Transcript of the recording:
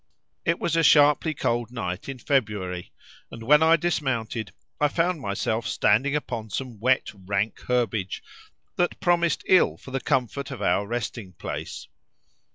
It was a sharply cold night in February, and when I dismounted I found myself standing upon some wet rank herbage that promised ill for the comfort of our resting place.